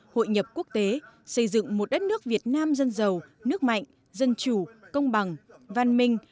hội nhập quốc tế xây dựng một đất nước việt nam dân giàu nước mạnh dân chủ công bằng văn minh